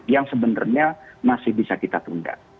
yang sebenarnya masih bisa kita tunda